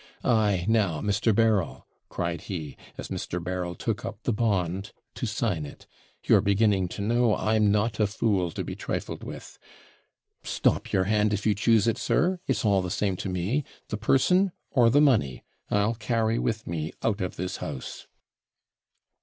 Ay, now, Mr. Berryl,' cried he, as Mr. Berryl took up the bond to sign it, 'you're beginning to know I'm not a fool to be trifled with. Stop your hand, if you choose it, sir it's all the same to me; the person, or the money, I'll carry with me out of this house.'